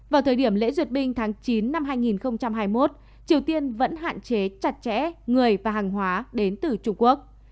vào thời điểm lễ duyệt binh tháng chín năm hai nghìn hai mươi một triều tiên vẫn hạn chế chặt chẽ người và hàng hóa đến từ trung quốc